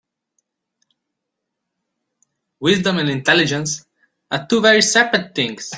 Wisdom and intelligence are two very separate things.